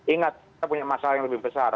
ingat kita punya masalah yang lebih besar